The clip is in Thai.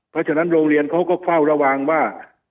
เพราะฉะนั้นโรงเรียนเขาก็เฝ้าระวังว่า